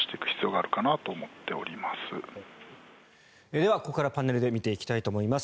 ではここからパネルで見ていきたいと思います。